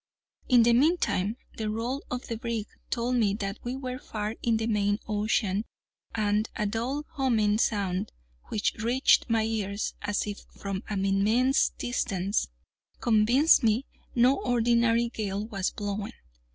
In the meantime the roll of the brig told me that we were far in the main ocean, and a dull humming sound, which reached my ears as if from an immense distance, convinced me no ordinary gale was blowing.